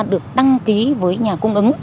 được đăng ký với nhà cung ứng